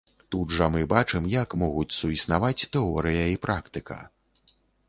Тут жа мы бачым, як могуць суіснаваць тэорыя і практыка.